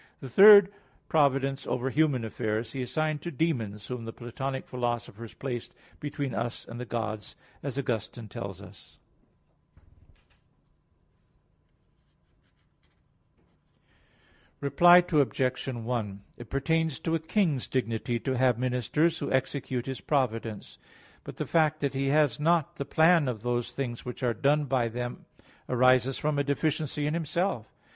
The third providence, over human affairs, he assigned to demons, whom the Platonic philosophers placed between us and the gods, as Augustine tells us (De Civ. Dei, 1, 2: viii, 14). Reply Obj. 1: It pertains to a king's dignity to have ministers who execute his providence. But the fact that he has not the plan of those things which are done by them arises from a deficiency in himself.